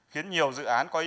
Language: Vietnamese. khiến nhiều dự án có ý nghĩa